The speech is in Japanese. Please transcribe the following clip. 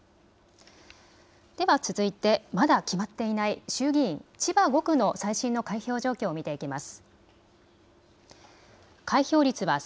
では続いてまだ決まっていない衆議院千葉５区の最新の開票状況を見ていきます。